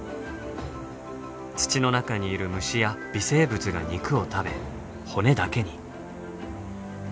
土の中にいる虫や微生物が肉を食べ骨だけに。